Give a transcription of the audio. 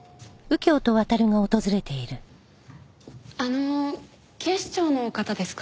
あの警視庁の方ですか？